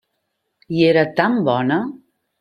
I era tan bona!